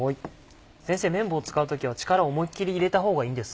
先生麺棒使う時は力思い切り入れた方がいいんですか？